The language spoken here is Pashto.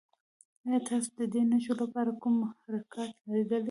ایا تاسو د دې نښو لپاره کوم محرکات لیدلي؟